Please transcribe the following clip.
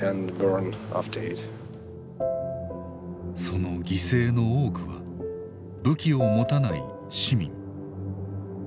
その犠牲の多くは武器を持たない市民。